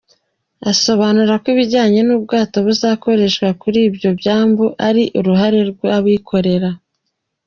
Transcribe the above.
Asobanura ko ibijyanye n’ubwato buzakoreshwa kuri ibyo byambu ari uruhare rw’abikorera.